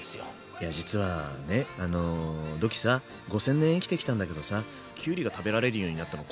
いや実はねあのドッキーさ５，０００年生きてきたんだけどさきゅうりが食べられるようになったの